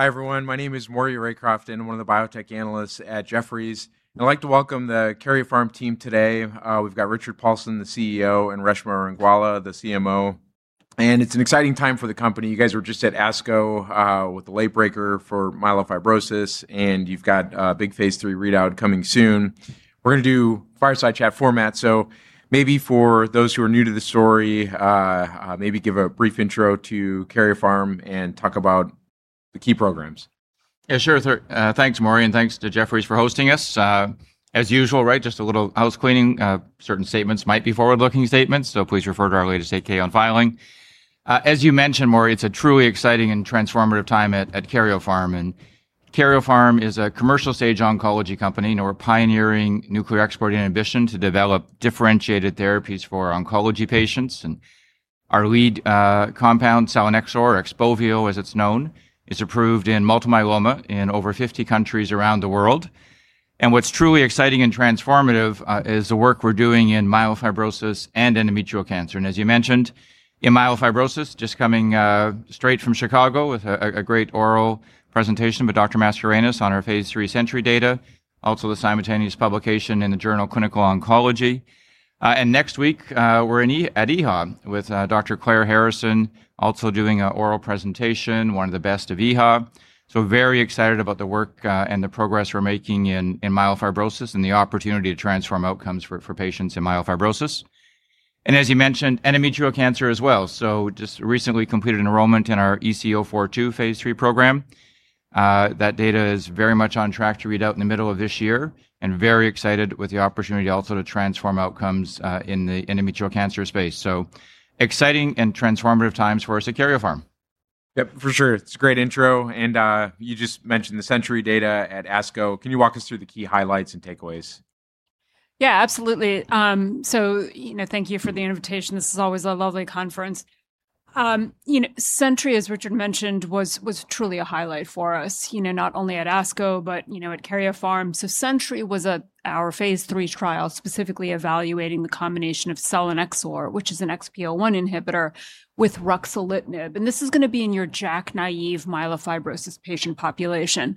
Hi, everyone. My name is Maury Raycroft, and I'm one of the biotech analysts at Jefferies, and I'd like to welcome the Karyopharm team today. We've got Richard Paulson, the CEO, and Reshma Rangwala, the CMO. It's an exciting time for the company. You guys were just at ASCO with a late-breaker for myelofibrosis, and you've got a big phase III readout coming soon. We're going to do fireside chat format, so maybe for those who are new to the story, maybe give a brief intro to Karyopharm and talk about the key programs. Thanks, Maury, and thanks to Jefferies for hosting us. As usual, just a little housecleaning, certain statements might be forward-looking statements, please refer to our latest 8-K on filing. As you mentioned, Maury, it's a truly exciting and transformative time at Karyopharm. Karyopharm is a commercial-stage oncology company, and we're pioneering nuclear export inhibition to develop differentiated therapies for oncology patients. Our lead compound, selinexor, or XPOVIO as it's known, is approved in multiple myeloma in over 50 countries around the world. What's truly exciting and transformative is the work we're doing in myelofibrosis and endometrial cancer. As you mentioned, in myelofibrosis, just coming straight from Chicago with a great oral presentation with Dr. Mascarenhas on our phase III SENTRY data, also the simultaneous publication in the Journal of Clinical Oncology. Next week, we're at EHA with Dr. Claire Harrison also doing an oral presentation, one of the best of EHA. Very excited about the work and the progress we're making in myelofibrosis and the opportunity to transform outcomes for patients in myelofibrosis. As you mentioned, endometrial cancer as well. Just recently completed an enrollment in our EC-042 phase III program. That data is very much on track to read out in the middle of this year and very excited with the opportunity also to transform outcomes in the endometrial cancer space. Exciting and transformative times for us at Karyopharm. Yep, for sure. It's a great intro. You just mentioned the SENTRY data at ASCO. Can you walk us through the key highlights and takeaways? Yeah, absolutely. Thank you for the invitation. This is always a lovely conference. SENTRY, as Richard mentioned, was truly a highlight for us, not only at ASCO but at Karyopharm. SENTRY was our phase III trial, specifically evaluating the combination of selinexor, which is an XPO1 inhibitor, with ruxolitinib. This is going to be in your JAK-naive myelofibrosis patient population.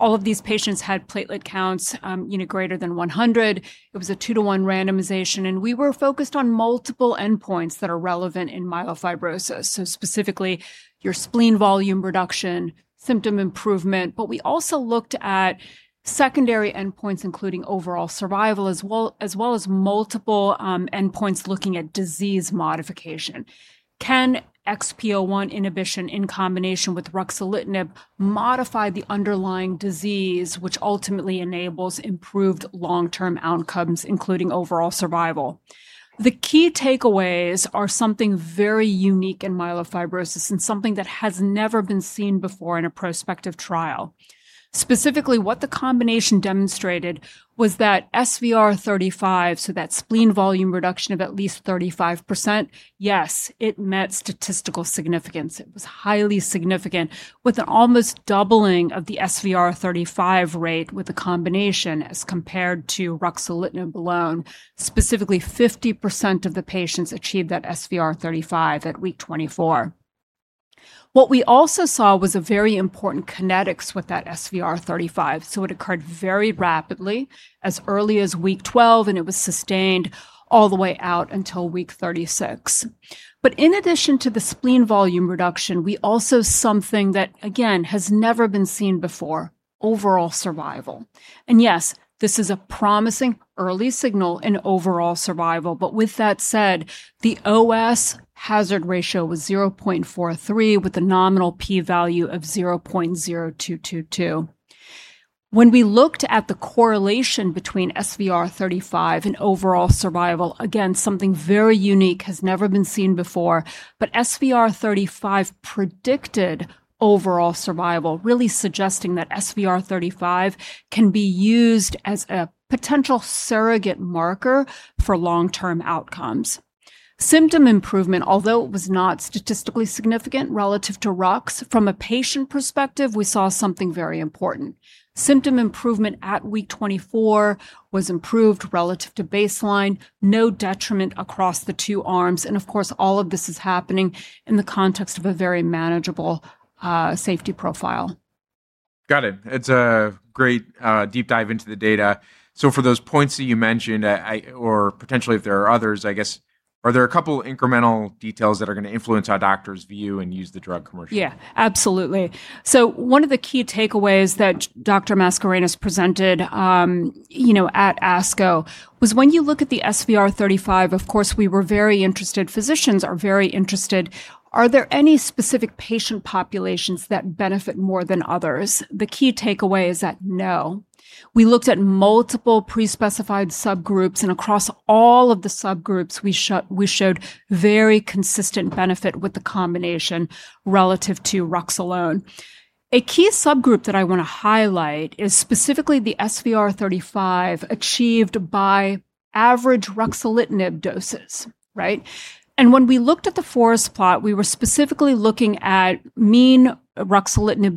All of these patients had platelet counts greater than 100. It was a two-to-one randomization, we were focused on multiple endpoints that are relevant in myelofibrosis, specifically your spleen volume reduction, symptom improvement. We also looked at secondary endpoints, including overall survival, as well as multiple endpoints looking at disease modification. Can XPO1 inhibition in combination with ruxolitinib modify the underlying disease, which ultimately enables improved long-term outcomes, including overall survival? The key takeaways are something very unique in myelofibrosis and something that has never been seen before in a prospective trial. Specifically, what the combination demonstrated was that SVR35, so that spleen volume reduction of at least 35%, yes, it met statistical significance. It was highly significant with an almost doubling of the SVR35 rate with the combination as compared to ruxolitinib alone. Specifically, 50% of the patients achieved that SVR35 at week 24. What we also saw was a very important kinetics with that SVR35. It occurred very rapidly, as early as week 12, and it was sustained all the way out until week 36. In addition to the spleen volume reduction, we also saw something that, again, has never been seen before, overall survival. Yes, this is a promising early signal in overall survival. With that said, the OS hazard ratio was 0.43 with a nominal P value of 0.0222. When we looked at the correlation between SVR35 and overall survival, again, something very unique, has never been seen before, but SVR35 predicted overall survival, really suggesting that SVR35 can be used as a potential surrogate marker for long-term outcomes. Symptom improvement, although it was not statistically significant relative to Rux, from a patient perspective, we saw something very important. Symptom improvement at week 24 was improved relative to baseline, no detriment across the two arms, and of course, all of this is happening in the context of a very manageable safety profile. Got it. It's a great deep dive into the data. For those points that you mentioned, or potentially if there are others, I guess, are there a couple incremental details that are going to influence how doctors view and use the drug commercially? Yeah, absolutely. One of the key takeaways that Dr. Mascarenhas presented at ASCO was when you look at the SVR35, of course, we were very interested, physicians are very interested. Are there any specific patient populations that benefit more than others? The key takeaway is that no. We looked at multiple pre-specified subgroups, and across all of the subgroups, we showed very consistent benefit with the combination relative to Rux alone. A key subgroup that I want to highlight is specifically the SVR35 achieved by average ruxolitinib doses. Right? When we looked at the forest plot, we were specifically looking at mean ruxolitinib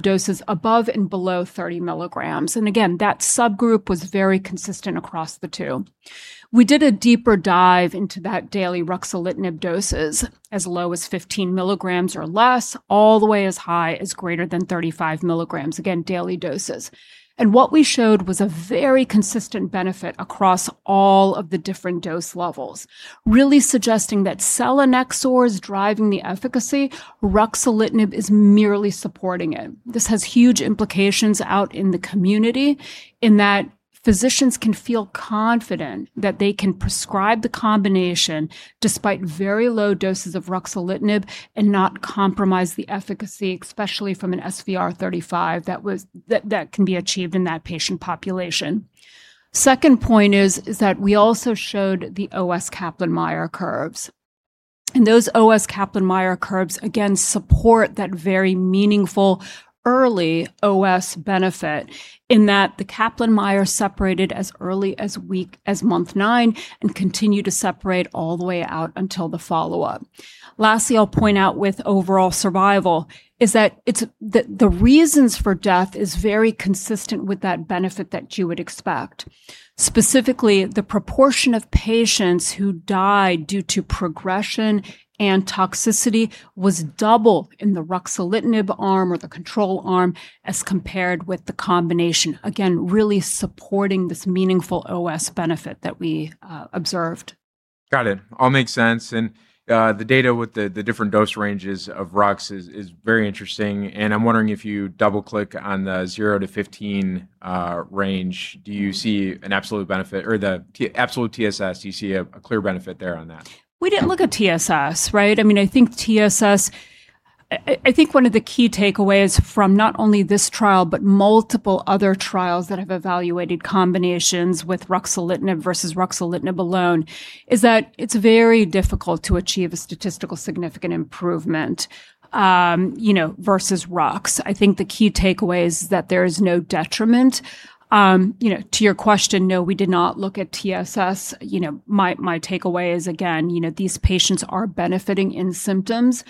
doses above and below 30 milligrams. Again, that subgroup was very consistent across the two. We did a deeper dive into that daily ruxolitinib doses as low as 15 milligrams or less, all the way as high as greater than 35 milligrams, again, daily doses. What we showed was a very consistent benefit across all of the different dose levels, really suggesting that selinexor is driving the efficacy, ruxolitinib is merely supporting it. This has huge implications out in the community in that physicians can feel confident that they can prescribe the combination despite very low doses of ruxolitinib and not compromise the efficacy, especially from an SVR35 that can be achieved in that patient population. Second point is that we also showed the OS Kaplan-Meier curves. Those OS Kaplan-Meier curves, again, support that very meaningful early OS benefit in that the Kaplan-Meier separated as early as month nine and continue to separate all the way out until the follow-up. Lastly, I'll point out with overall survival is that the reasons for death is very consistent with that benefit that you would expect. Specifically, the proportion of patients who died due to progression and toxicity was double in the ruxolitinib arm or the control arm as compared with the combination. Really supporting this meaningful OS benefit that we observed. Got it. All makes sense. The data with the different dose ranges of Rux is very interesting. I'm wondering if you double-click on the 0 to 15 range, do you see an absolute benefit or the absolute TSS? Do you see a clear benefit there on that? We didn't look at TSS, right? I think one of the key takeaways from not only this trial, but multiple other trials that have evaluated combinations with ruxolitinib versus ruxolitinib alone is that it's very difficult to achieve a statistically significant improvement versus Rux. I think the key takeaway is that there is no detriment. To your question, no, we did not look at TSS. My takeaway is, again, these patients are benefiting in symptoms.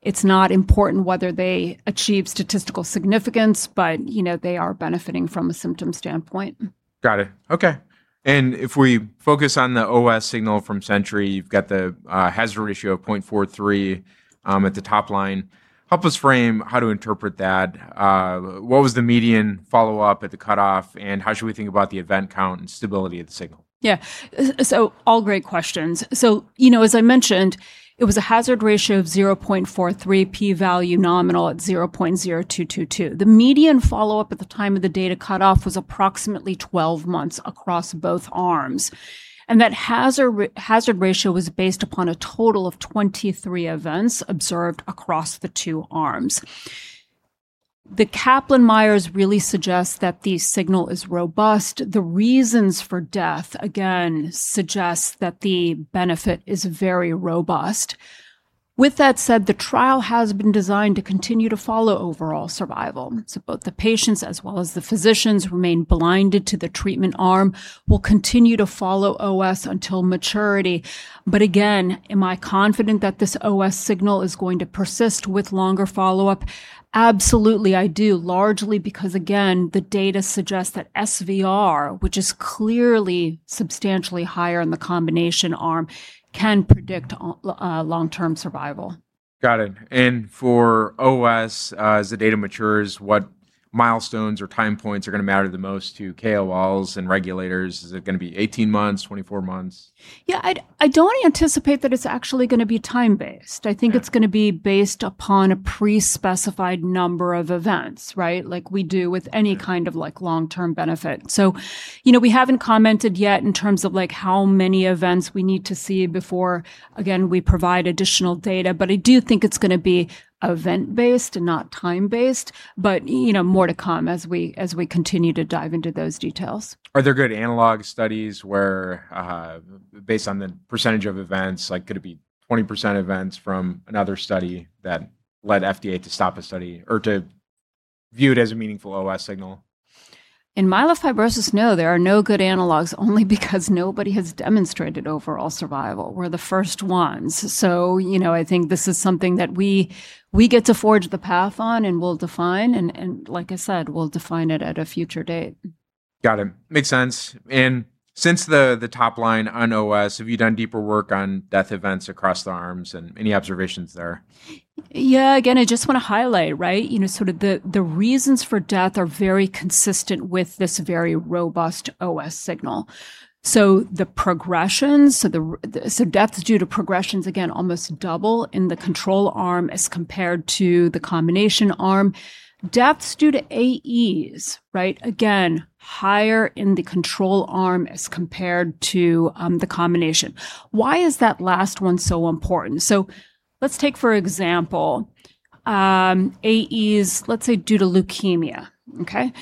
It's not important whether they achieve statistical significance, but they are benefiting from a symptom standpoint. Got it. Okay. If we focus on the OS signal from SENTRY, you've got the hazard ratio of 0.43 at the top line. Help us frame how to interpret that. What was the median follow-up at the cutoff, and how should we think about the event count and stability of the signal? Yeah. All great questions. As I mentioned, it was a hazard ratio of 0.43 p-value nominal at 0.0222. The median follow-up at the time of the data cutoff was approximately 12 months across both arms. That hazard ratio was based upon a total of 23 events observed across the two arms. The Kaplan-Meier really suggests that the signal is robust. The reasons for death, again, suggest that the benefit is very robust. With that said, the trial has been designed to continue to follow overall survival. Both the patients as well as the physicians remain blinded to the treatment arm, will continue to follow OS until maturity. Again, am I confident that this OS signal is going to persist with longer follow-up? Absolutely, I do. Largely because, again, the data suggests that SVR, which is clearly substantially higher in the combination arm, can predict long-term survival. Got it. For OS, as the data matures, what milestones or time points are going to matter the most to KOLs and regulators? Is it going to be 18 months, 24 months? Yeah, I don't anticipate that it's actually going to be time-based. I think it's going to be based upon a pre-specified number of events, right? Like we do with any kind of long-term benefit. We haven't commented yet in terms of how many events we need to see before, again, we provide additional data. I do think it's going to be event-based and not time-based. More to come as we continue to dive into those details. Are there good analog studies where based on the percentage of events, could it be 20% events from another study that led FDA to stop a study or to view it as a meaningful OS signal? In myelofibrosis, no, there are no good analogs only because nobody has demonstrated overall survival. We're the first ones. I think this is something that we get to forge the path on, and we'll define, and like I said, we'll define it at a future date. Got it. Makes sense. Since the top line on OS, have you done deeper work on death events across the arms and any observations there? Yeah. Again, I just want to highlight, right, the reasons for death are very consistent with this very robust OS signal. Deaths due to progressions, again, almost double in the control arm as compared to the combination arm. Deaths due to AEs, right? Again, higher in the control arm as compared to the combination. Why is that last one so important? Let's take for example, AEs, let's say due to leukemia. Okay?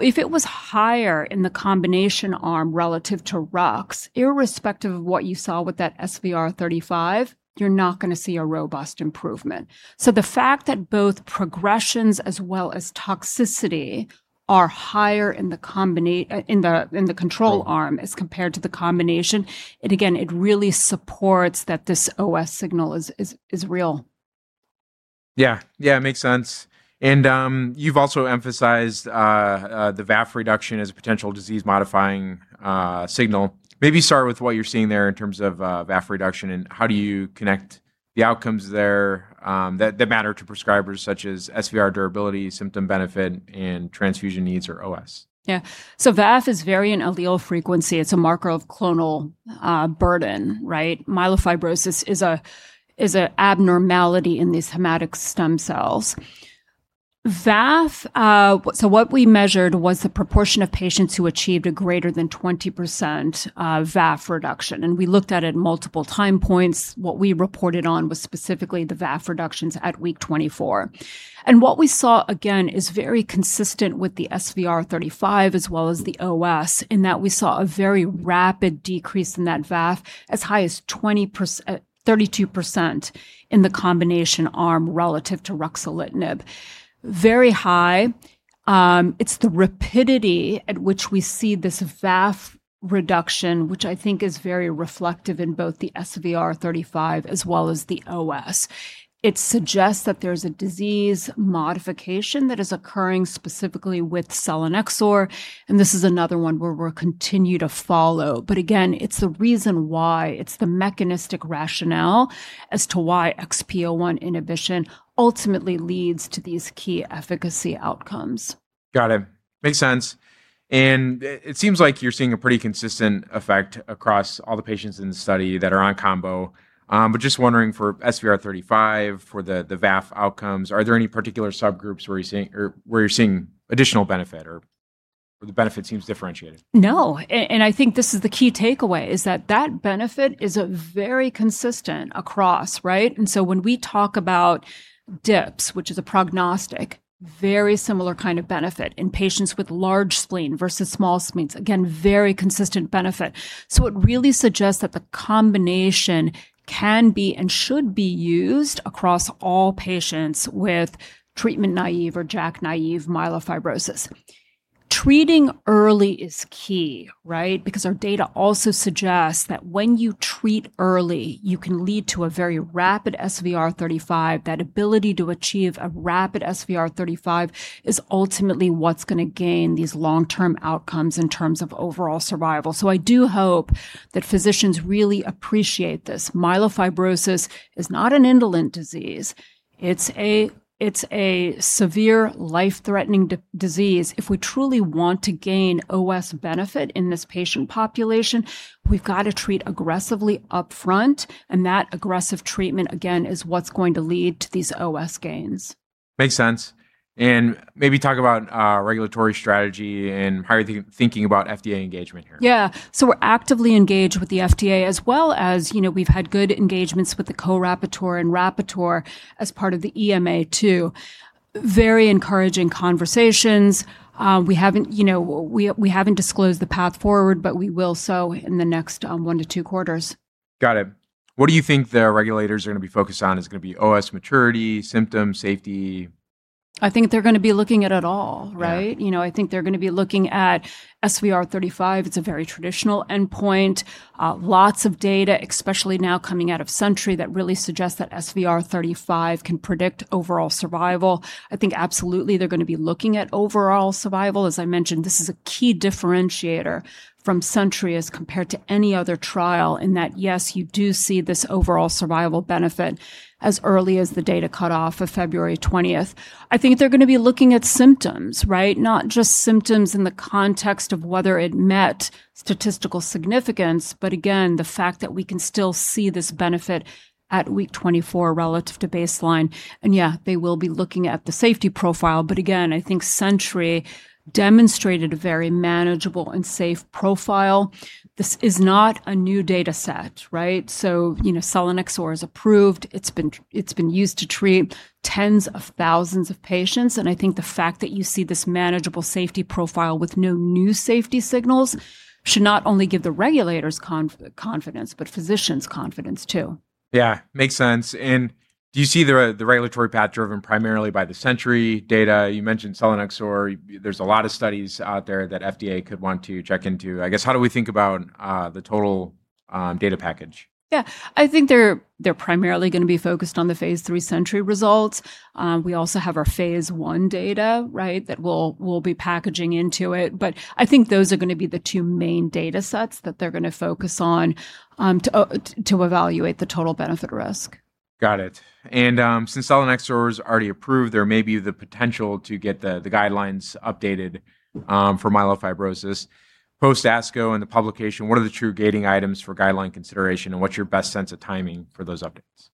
If it was higher in the combination arm relative to Rux, irrespective of what you saw with that SVR35, you're not going to see a robust improvement. The fact that both progressions as well as toxicity are higher in the control arm as compared to the combination, it really supports that this OS signal is real. Yeah. Makes sense. You've also emphasized the VAF reduction as a potential disease-modifying signal. Maybe start with what you're seeing there in terms of VAF reduction, and how do you connect the outcomes there that matter to prescribers such as SVR durability, symptom benefit, and transfusion needs or OS? Yeah. VAF is variant allele frequency. It's a marker of clonal burden, right? myelofibrosis is a abnormality in these hematopoietic stem cells. What we measured was the proportion of patients who achieved a greater than 20% VAF reduction, and we looked at it in multiple time points. What we reported on was specifically the VAF reductions at week 24. What we saw, again, is very consistent with the SVR35 as well as the OS, in that we saw a very rapid decrease in that VAF as high as 32% in the combination arm relative to ruxolitinib. Very high. It's the rapidity at which we see this VAF reduction, which I think is very reflective in both the SVR35 as well as the OS. It suggests that there's a disease modification that is occurring specifically with selinexor, and this is another one where we'll continue to follow. Again, it's the reason why, it's the mechanistic rationale as to why XPO1 inhibition ultimately leads to these key efficacy outcomes. Got it. Makes sense. It seems like you're seeing a pretty consistent effect across all the patients in the study that are on combo. Just wondering for SVR35, for the VAF outcomes, are there any particular subgroups where you're seeing additional benefit or where the benefit seems differentiated? No, I think this is the key takeaway is that that benefit is very consistent across, right? When we talk about DIPSS, which is a prognostic, very similar kind of benefit in patients with large spleen versus small spleens. Again, very consistent benefit. It really suggests that the combination can be and should be used across all patients with treatment naive or JAK naive myelofibrosis. Treating early is key, right? Our data also suggests that when you treat early, you can lead to a very rapid SVR35. That ability to achieve a rapid SVR35 is ultimately what's going to gain these long-term outcomes in terms of overall survival. I do hope that physicians really appreciate this. Myelofibrosis is not an indolent disease. It's a severe life-threatening disease. If we truly want to gain OS benefit in this patient population, we've got to treat aggressively up front. That aggressive treatment, again, is what's going to lead to these OS gains. Makes sense. Maybe talk about regulatory strategy and how you're thinking about FDA engagement here? Yeah. We're actively engaged with the FDA as well as we've had good engagements with the co-rapporteur and rapporteur as part of the EMA too. Very encouraging conversations. We haven't disclosed the path forward, but we will so in the next one to two quarters. Got it. What do you think the regulators are going to be focused on? Is it going to be OS maturity, symptoms, safety? I think they're going to be looking at it all, right? I think they're going to be looking at SVR35. It's a very traditional endpoint. Lots of data, especially now coming out of SENTRY, that really suggests that SVR35 can predict overall survival. I think absolutely they're going to be looking at overall survival. As I mentioned, this is a key differentiator from SENTRY as compared to any other trial in that, yes, you do see this overall survival benefit as early as the data cutoff of February 20th. I think they're going to be looking at symptoms, right? Not just symptoms in the context of whether it met statistical significance, but again, the fact that we can still see this benefit at week 24 relative to baseline. Yeah, they will be looking at the safety profile, but again, I think SENTRY demonstrated a very manageable and safe profile. This is not a new data set, right? Selinexor is approved. It's been used to treat tens of thousands of patients, and I think the fact that you see this manageable safety profile with no new safety signals should not only give the regulators confidence, but physicians confidence too. Yeah. Makes sense. Do you see the regulatory path driven primarily by the SENTRY data? You mentioned selinexor. There's a lot of studies out there that FDA could want to check into. I guess, how do we think about the total data package? Yeah. I think they're primarily going to be focused on the phase III SENTRY results. We also have our phase I data, right? That we'll be packaging into it. I think those are going to be the two main data sets that they're going to focus on to evaluate the total benefit risk. Got it. Since selinexor is already approved, there may be the potential to get the guidelines updated for myelofibrosis. Post ASCO and the publication, what are the true gating items for guideline consideration, and what's your best sense of timing for those updates?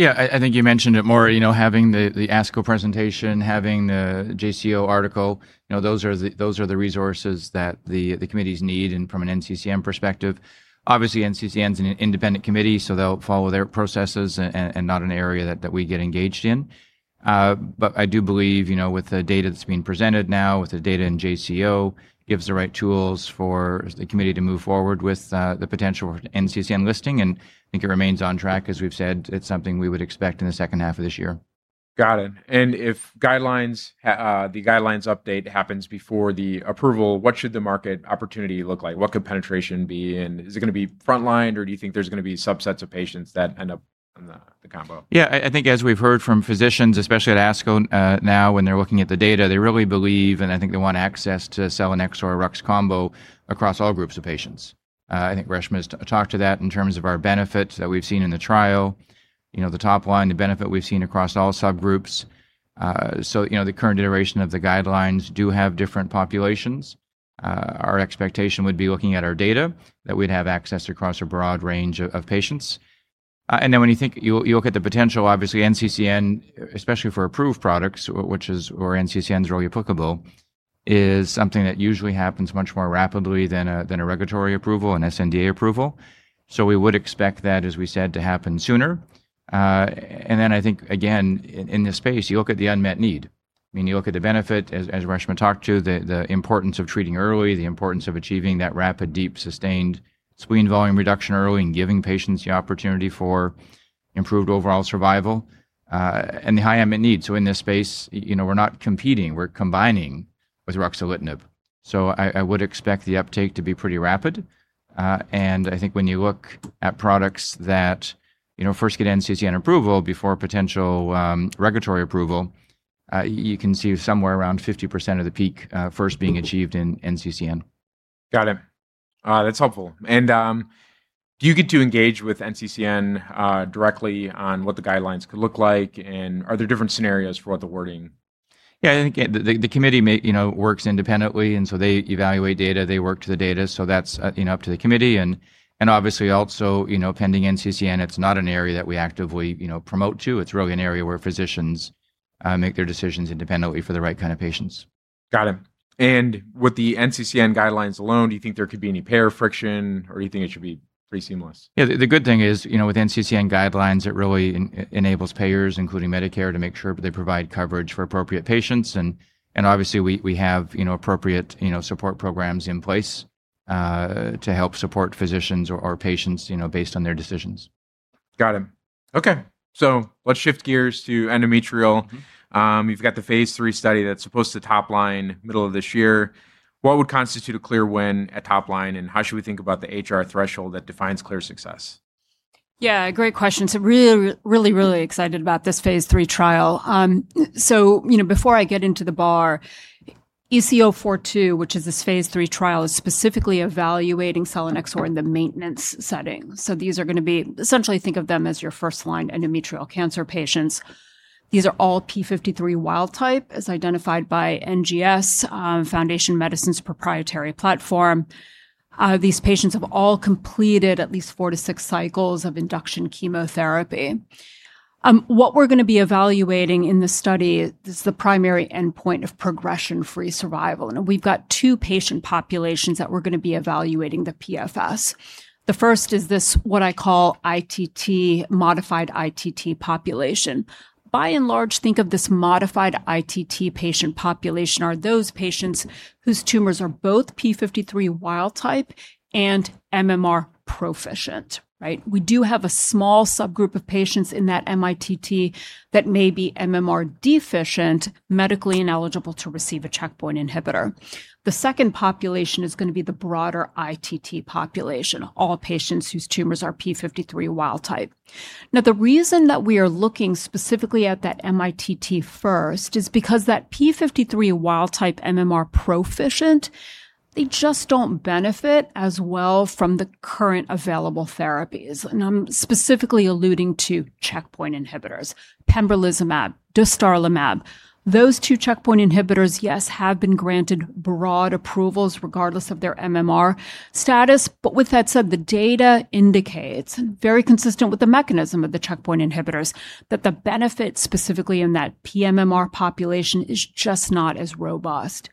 I think you mentioned it Maury, having the ASCO presentation, having the Journal of Clinical Oncology article, those are the resources that the committees need and from an National Comprehensive Cancer Network perspective. Obviously, National Comprehensive Cancer Network's an independent committee, they'll follow their processes and not an area that we get engaged in. I do believe, with the data that's being presented now, with the data in Journal of Clinical Oncology, gives the right tools for the committee to move forward with the potential for an National Comprehensive Cancer Network listing, it remains on track, as we've said, it's something we would expect in the second half of this year. Got it. If the guidelines update happens before the approval, what should the market opportunity look like? What could penetration be, and is it going to be front line, or do you think there's going to be subsets of patients that end up on the combo? Yeah, I think as we've heard from physicians, especially at ASCO now, when they're looking at the data, they really believe, and I think they want access to selinexor or Rux combo across all groups of patients. I think Reshma has talked to that in terms of our benefit that we've seen in the trial, the top line, the benefit we've seen across all subgroups. The current iteration of the guidelines do have different populations. Our expectation would be looking at our data, that we'd have access across a broad range of patients. When you look at the potential, obviously NCCN, especially for approved products, which is where NCCN's really applicable, is something that usually happens much more rapidly than a regulatory approval, an sNDA approval. We would expect that, as we said, to happen sooner. I think, again, in this space, you look at the unmet need. You look at the benefit, as Reshma talked to, the importance of treating early, the importance of achieving that rapid, deep, sustained spleen volume reduction early and giving patients the opportunity for improved overall survival, and the high unmet need. In this space, we're not competing, we're combining with ruxolitinib. I would expect the uptake to be pretty rapid. I think when you look at products that first get NCCN approval before potential regulatory approval, you can see somewhere around 50% of the peak first being achieved in NCCN. Got it. That's helpful. Do you get to engage with NCCN directly on what the guidelines could look like, and are there different scenarios for what the wording? Yeah, I think the committee works independently. They evaluate data, they work to the data, so that's up to the committee. Obviously also, pending NCCN, it's not an area that we actively promote to. It's really an area where physicians make their decisions independently for the right kind of patients. Got it. With the NCCN guidelines alone, do you think there could be any payer friction, or do you think it should be pretty seamless? The good thing is, with NCCN guidelines, it really enables payers, including Medicare, to make sure they provide coverage for appropriate patients. Obviously we have appropriate support programs in place to help support physicians or patients based on their decisions. Got it. Okay. Let's shift gears to endometrial. You've got the phase III study that's supposed to top line middle of this year. What would constitute a clear win at top line, and how should we think about the HR threshold that defines clear success? Great question. Really excited about this phase III trial. Before I get into the bar, EC-042, which is this phase III trial, is specifically evaluating selinexor in the maintenance setting. These are essentially think of them as your first-line endometrial cancer patients. These are all p53 wild type, as identified by NGS, Foundation Medicine's proprietary platform. These patients have all completed at least four to six cycles of induction chemotherapy. What we're going to be evaluating in the study is the primary endpoint of progression-free survival. We've got two patient populations that we're going to be evaluating the PFS. The first is this what I call modified ITT population. By and large, think of this modified ITT patient population are those patients whose tumors are both p53 wild type and MMR proficient. We do have a small subgroup of patients in that MITT that may be MMR deficient, medically ineligible to receive a checkpoint inhibitor. The second population is going to be the broader ITT population, all patients whose tumors are p53 wild type. Now, the reason that we are looking specifically at that MITT first is because that p53 wild type MMR proficient, they just don't benefit as well from the current available therapies. I'm specifically alluding to checkpoint inhibitors, pembrolizumab, dostarlimab. Those two checkpoint inhibitors, yes, have been granted broad approvals regardless of their MMR status. With that said, the data indicates, very consistent with the mechanism of the checkpoint inhibitors, that the benefit specifically in that pMMR population is just not as robust.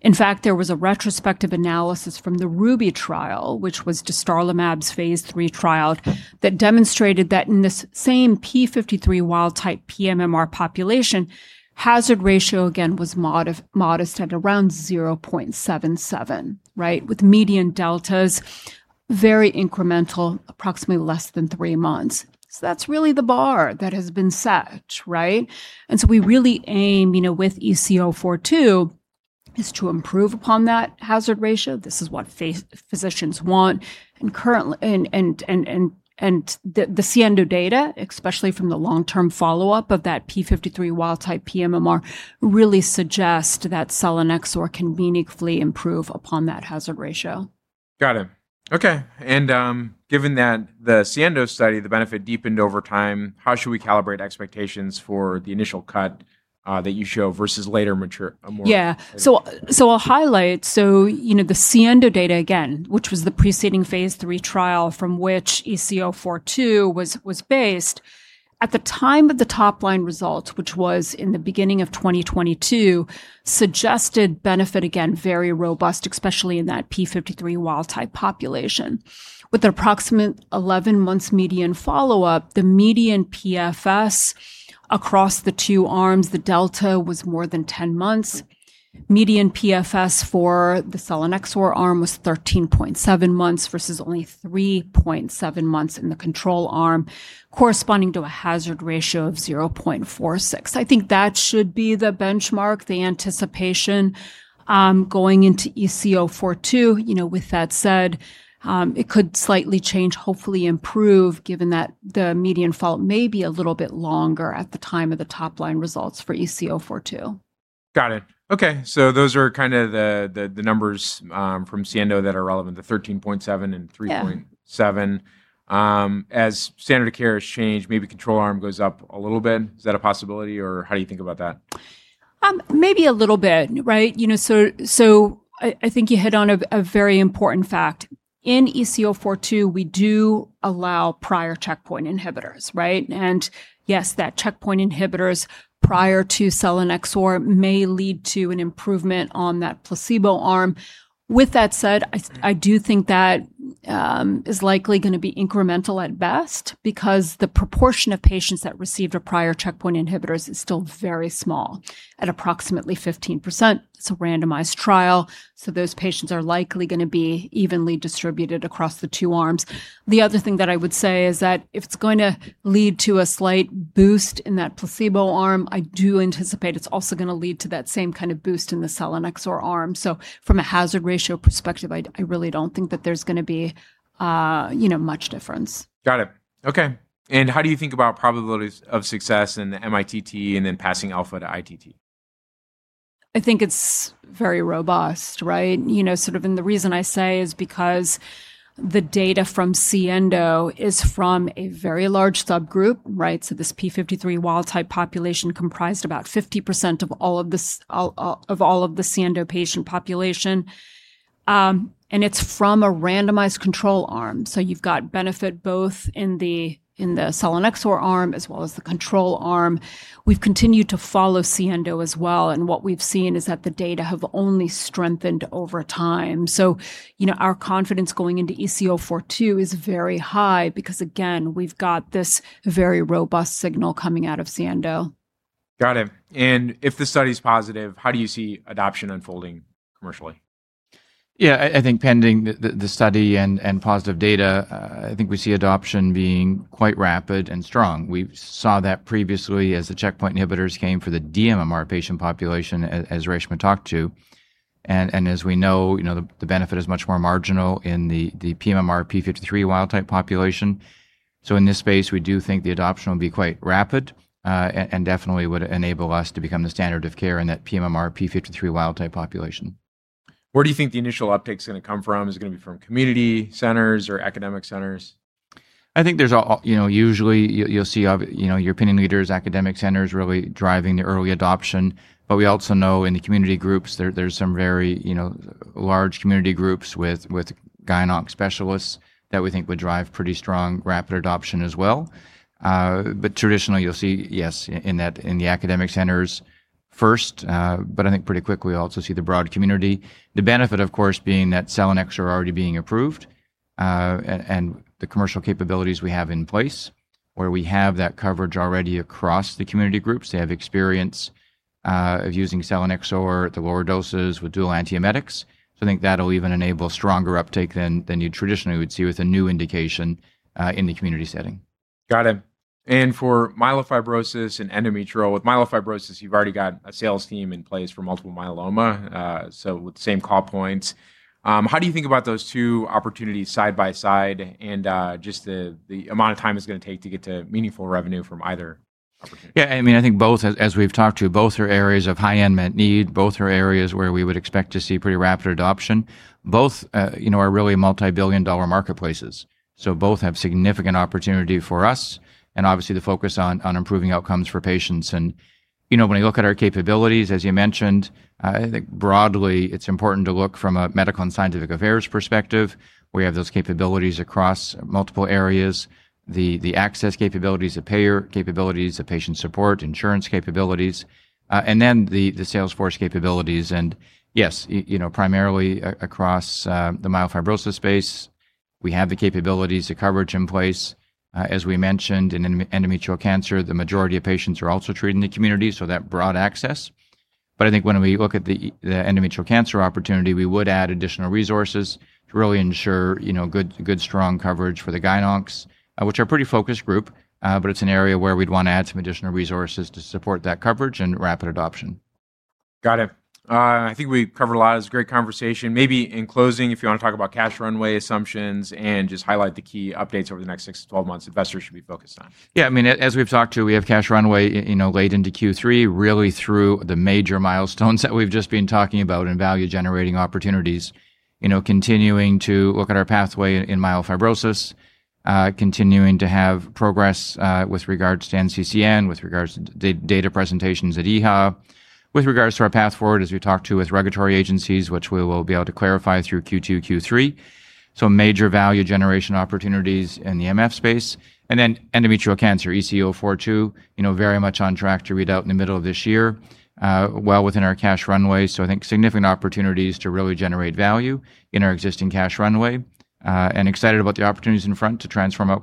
In fact, there was a retrospective analysis from the RUBY trial, which was dostarlimab's phase III trial, that demonstrated that in this same p53 wild type pMMR population, hazard ratio again was modest at around 0.77. With median deltas very incremental, approximately less than three months. That's really the bar that has been set. We really aim with EC-042 is to improve upon that hazard ratio. This is what physicians want. The SIENDO data, especially from the long-term follow-up of that p53 wild type pMMR really suggest that selinexor can meaningfully improve upon that hazard ratio. Got it. Okay. Given that the SIENDO study, the benefit deepened over time, how should we calibrate expectations for the initial cut that you show versus later mature more? Yeah. I'll highlight. The SIENDO data again, which was the preceding phase III trial from which EC-042 was based. At the time of the top-line result, which was in the beginning of 2022, suggested benefit, again, very robust, especially in that p53 wild-type population. With approximate 11 months median follow-up, the median PFS across the two arms, the delta was more than 10 months. Median PFS for the selinexor arm was 13.7 months versus only 3.7 months in the control arm, corresponding to a hazard ratio of 0.46. I think that should be the benchmark, the anticipation going into EC-042. With that said, it could slightly change, hopefully improve, given that the median follow-up may be a little bit longer at the time of the top-line results for EC-042. Got it. Okay. Those are the numbers from SIENDO that are relevant, the 13.7 and 3.7. As standard of care has changed, maybe control arm goes up a little bit. Is that a possibility, or how do you think about that? Maybe a little bit. I think you hit on a very important fact. In EC-042, we do allow prior checkpoint inhibitors. That checkpoint inhibitors prior to selinexor may lead to an improvement on that placebo arm. With that said, I do think that is likely going to be incremental at best because the proportion of patients that received a prior checkpoint inhibitor is still very small at approximately 15%. It's a randomized trial, those patients are likely going to be evenly distributed across the two arms. The other thing that I would say is that if it's going to lead to a slight boost in that placebo arm, I do anticipate it's also going to lead to that same kind of boost in the selinexor arm. From a hazard ratio perspective, I really don't think that there's going to be much difference. Got it. Okay. How do you think about probabilities of success in the MITT and then passing alpha to ITT? I think it's very robust. The reason I say is because the data from SIENDO is from a very large subgroup. This p53 wild-type population comprised about 50% of all of the SIENDO patient population. It's from a randomized control arm. You've got benefit both in the selinexor arm as well as the control arm. We've continued to follow SIENDO as well, and what we've seen is that the data have only strengthened over time. Our confidence going into EC-042 is very high because, again, we've got this very robust signal coming out of SIENDO. Got it. If the study's positive, how do you see adoption unfolding commercially? Yeah, I think pending the study and positive data, I think we see adoption being quite rapid and strong. We saw that previously as the checkpoint inhibitors came for the dMMR patient population, as Reshma talked to. As we know, the benefit is much more marginal in the pMMR p53 wild-type population. In this space, we do think the adoption will be quite rapid, and definitely would enable us to become the standard of care in that pMMR p53 wild-type population. Where do you think the initial uptake's going to come from? Is it going to be from community centers or academic centers? I think usually you'll see your opinion leaders, academic centers really driving the early adoption. We also know in the community groups, there's some very large community groups with GYN onc specialists that we think would drive pretty strong rapid adoption as well. Traditionally, you'll see, yes, in the academic centers first. I think pretty quickly, we'll also see the broad community. The benefit, of course, being that selinexor are already being approved, and the commercial capabilities we have in place, where we have that coverage already across the community groups. They have experience of using selinexor at the lower doses with dual antiemetics. I think that'll even enable stronger uptake than you traditionally would see with a new indication in the community setting. Got it. For myelofibrosis and endometrial, with myelofibrosis, you've already got a sales team in place for multiple myeloma. With the same call points, how do you think about those two opportunities side by side and just the amount of time it's going to take to get to meaningful revenue from either opportunity? Yeah, I think both, as we've talked to, both are areas of high unmet need. Both are areas where we would expect to see pretty rapid adoption. Both are really multibillion-dollar marketplaces. Both have significant opportunity for us and obviously the focus on improving outcomes for patients. When I look at our capabilities, as you mentioned, I think broadly it's important to look from a medical and scientific affairs perspective, where we have those capabilities across multiple areas. The access capabilities, the payer capabilities, the patient support, insurance capabilities, and then the sales force capabilities. Yes, primarily across the myelofibrosis space, we have the capabilities, the coverage in place. As we mentioned, in endometrial cancer, the majority of patients are also treated in the community, so that broad access. I think when we look at the endometrial cancer opportunity, we would add additional resources to really ensure good, strong coverage for the GYN oncs, which are a pretty focused group, but it's an area where we'd want to add some additional resources to support that coverage and rapid adoption. Got it. I think we've covered a lot. It was a great conversation. Maybe in closing, if you want to talk about cash runway assumptions and just highlight the key updates over the next six to 12 months investors should be focused on. Yeah, as we've talked to, we have cash runway late into Q3, really through the major milestones that we've just been talking about and value-generating opportunities. Continuing to look at our pathway in myelofibrosis, continuing to have progress with regards to NCCN, with regards to data presentations at EHA, with regards to our path forward as we talk to with regulatory agencies, which we will be able to clarify through Q2, Q3. Major value generation opportunities in the MF space. Endometrial cancer, EC-042, very much on track to read out in the middle of this year, well within our cash runway. I think significant opportunities to really generate value in our existing cash runway. We are excited about the opportunities in front to transform outcomes.